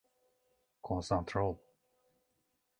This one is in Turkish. Konsantre ol.